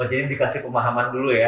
oh jadi dikasih pemahaman dulu ya